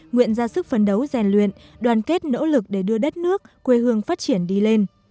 nguyện ra sức phấn đấu rèn luyện đoàn kết nỗ lực để đưa đất nước quê hương phát triển đi lên